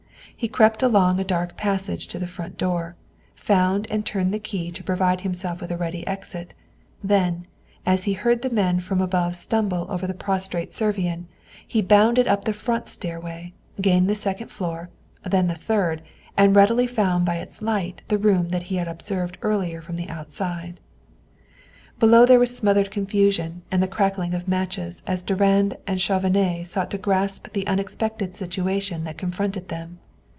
He crept along a dark passage to the front door, found and turned the key to provide himself with a ready exit, then, as he heard the men from above stumble over the prostrate Servian, he bounded up the front stairway, gained the second floor, then the third, and readily found by its light the room that he had observed earlier from the outside. Below there was smothered confusion and the crackling of matches as Durand and Chauvenet sought to grasp the unexpected situation that confronted them.